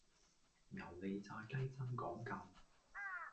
牛脷炸雞真講究